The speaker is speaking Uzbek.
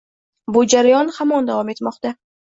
Bu jarayon hamon davom etmoqda.